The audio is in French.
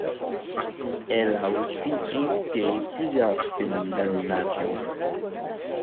Elle a aussi inspiré plusieurs films d’animation.